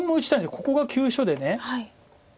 ここが急所で。